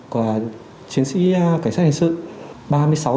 của chiến sĩ cải sát hành sự